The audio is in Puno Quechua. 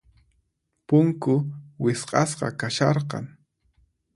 Punku wisq'asqa kasharqan.